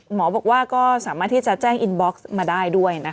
หมอบอกว่าก็สามารถที่จะแจ้งอินบ็อกซ์มาได้ด้วยนะคะ